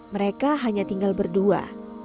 mereka hanya tinggal berdua